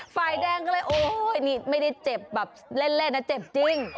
ฝ่ายแดงก็เลยโอ้ยนี่ไม่ได้เจ็บแบบเล่นนะเจ็บจริง